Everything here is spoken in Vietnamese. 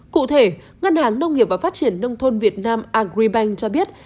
cụ thể ngân hàng nông nghiệp và phát triển nông thôn việt nam agribank cho biết